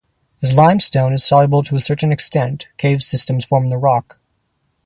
As limestone is soluble to a certain extent, cave systems form in the rock.